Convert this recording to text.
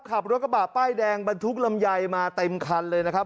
ขับรถกระบะป้ายแดงบรรทุกลำไยมาเต็มคันเลยนะครับ